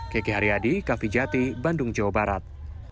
kiki haryadi kavijati bandung jawa barat